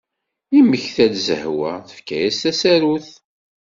Yemmekta-d Zehwa tefka-as tasarut.